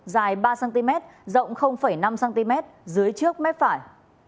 cao một m bảy mươi ba cm rộng năm cm dưới trước mép phải